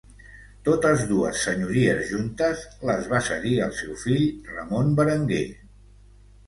Totes dues senyories juntes, les va cedir al seu fill Ramon Berenguer.